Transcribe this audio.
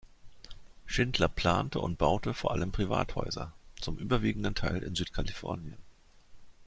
Schindler plante und baute vor allem Privathäuser, zum überwiegenden Teil in Südkalifornien.